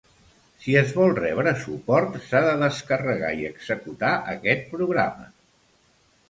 Si es vol rebre suport, s'ha de descarregar i executar aquest programa.